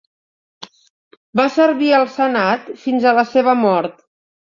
Va servir al Senat fins a la seva mort.